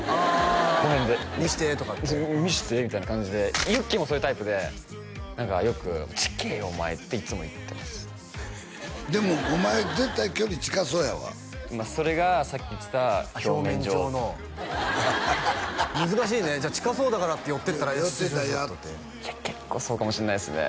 この辺で見せてとかって見せてみたいな感じでユッケもそういうタイプで何かよく「近えよお前」っていつも言ってますでもお前絶対距離近そうやわそれがさっき言ってた表面上表面上の難しいね近そうだからって寄っていったら寄っていったら嫌って結構そうかもしんないっすね